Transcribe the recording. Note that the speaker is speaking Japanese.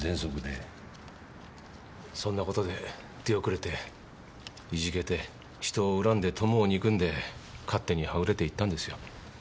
そんな事で出遅れていじけて人を恨んで友を憎んで勝手にはぐれていったんですよ。